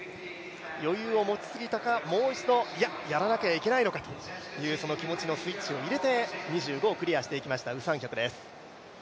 余裕を持ちすぎたからもう一度やらなきゃいけないのかという気持ちのスイッチを入れて２５をクリアしていきましたウ・サンヒョクです。